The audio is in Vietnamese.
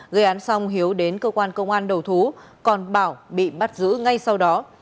gây án xong hiếu đến cơ quan công an đầu thú còn bảo bị bắt giữ ngay sau đó